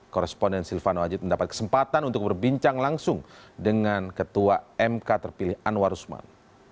koresponden silvano hajid mendapat kesempatan untuk berbincang langsung dengan ketua mk terpilih anwar usman